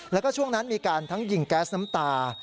แล้วก็ช่วงนั้นมีการทั้งยิงแก๊สน้ำตา